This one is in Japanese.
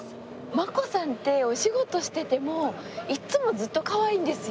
真子さんってお仕事しててもいつもずっとかわいいんですよ。